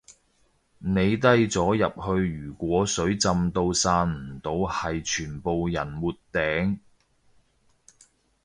你低咗入去如果水浸到散唔到係全部人沒頂